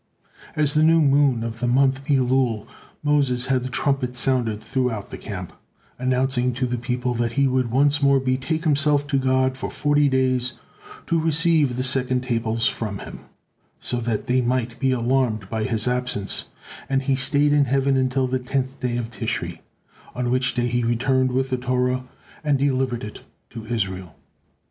At the new moon of the month Elul, Moses had the trumpet sounded throughout the camp, announcing to the people that he would once more betake himself to God for forty days to receive the second tables from Him, so that they might be alarmed by his absence; and he stayed in heaven until the tenth day of Tishri, on which day he returned with the Torah and delivered it to Israel.